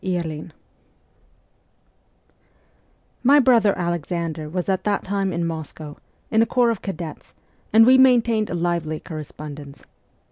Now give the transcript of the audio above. Ill MY brother Alexander was at that time at Moscow, in a corps of cadets, and we maintained a lively corre spondence.